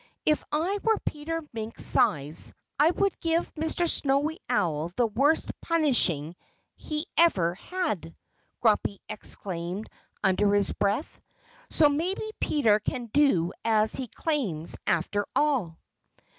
"If I were Peter Mink's size I would give Mr. Snowy Owl the worst punishing he ever had!" Grumpy exclaimed under his breath. "So maybe Peter can do as he claims, after all."